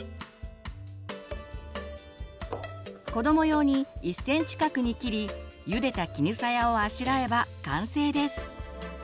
子ども用に１センチ角に切りゆでた絹さやをあしらえば完成です。